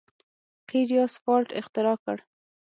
قیر یا سفالټ اختراع کړ.